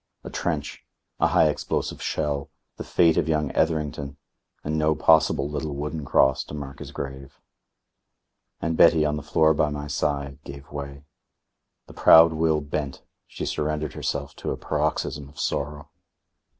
A trench; a high explosive shell; the fate of young Etherington; and no possible little wooden cross to mark his grave. And Betty, on the floor by my side, gave way. The proud will bent. She surrendered herself to a paroxysm of sorrow.